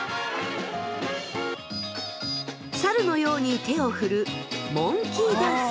猿のように手を振るモンキーダンス。